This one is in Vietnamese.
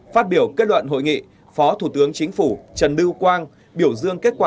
phát biểu kết luận hội nghị phó thủ tướng chính phủ trần lưu quang biểu dương kết quả